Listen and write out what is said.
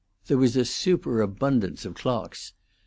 There was a superabundance of clocks.